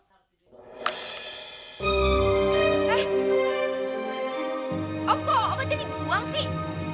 om kok obatnya dibuang sih